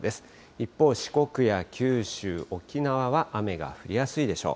一方、四国や九州、沖縄は雨が降りやすいでしょう。